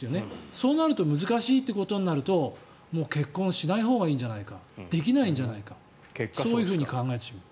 そうなると難しいってことになると結婚しないほうがいいんじゃないかできないんじゃないかそういうふうに考えてしまう。